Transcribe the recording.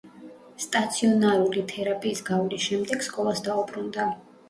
სტაციონარული თერაპიის გავლის შემდეგ სკოლას დაუბრუნდა.